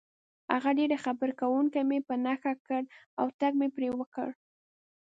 هغه ډېر خبرې کوونکی مې په نښه کړ او ټک مې پرې وکړ.